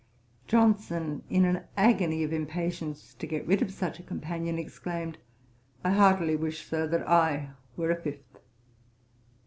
Johnson, in an agony of impatience to get rid of such a companion, exclaimed, 'I heartily wish, Sir, that I were a fifth.'